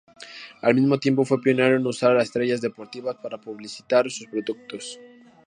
Al mismo tiempo fue pionero en usar a estrellas deportivas para publicitar sus productos.